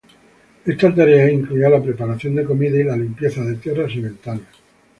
Estas tareas incluían la preparación de comidas y la limpieza de tierras y ventanas.